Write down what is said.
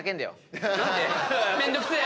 めんどくせえ！